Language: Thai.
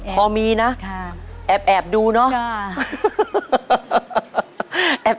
พอมีนะแอบดูเนาะ